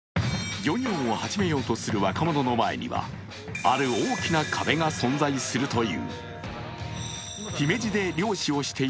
漁業を始めようとする若者の前にはある大きな壁が存在するという。